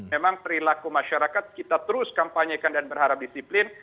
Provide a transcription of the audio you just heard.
memang perilaku masyarakat kita terus kampanyekan dan berharap disiplin